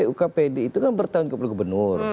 ukpd itu kan bertahun tahun kebenar